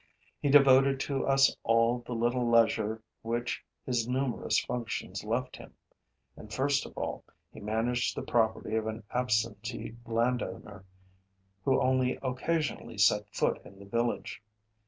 He devoted to us all the little leisure which his numerous functions left him. And, first of all, he managed the property of an absentee landowner, who only occasionally set foot in the village.